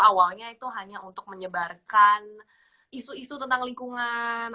awalnya itu hanya untuk menyebarkan isu isu tentang lingkungan